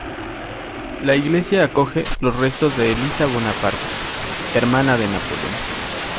La iglesia acoge los restos de Elisa Bonaparte, hermana de Napoleón.